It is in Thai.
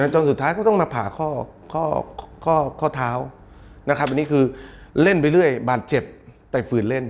จนสุดท้ายก็ต้องมาผ่าข้อเท้านะครับอันนี้คือเล่นไปเรื่อยบาดเจ็บแต่ฝืนเล่น